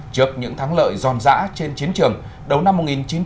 trước những thắng lợi giòn dã trên chiến trường đầu năm một nghìn chín trăm bảy mươi